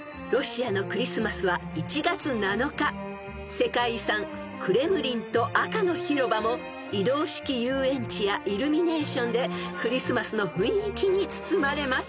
［世界遺産クレムリンと赤の広場も移動式遊園地やイルミネーションでクリスマスの雰囲気に包まれます］